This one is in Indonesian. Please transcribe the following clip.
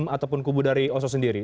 ataupun kubu dari oso sendiri